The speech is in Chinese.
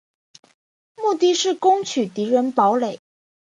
目的是攻取敌人堡垒。